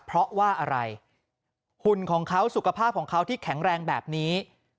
เพราะว่าอะไรหุ่นของเขาสุขภาพของเขาที่แข็งแรงแบบนี้